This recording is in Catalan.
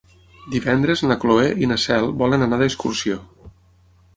Divendres na Cloè i na Cel volen anar d'excursió.